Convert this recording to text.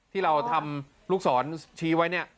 ที่เราทำลูกศรชี้ไว้เนี่ย